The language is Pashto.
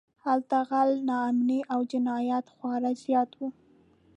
هلته غلا، ناامنۍ او جنایت خورا زیات و.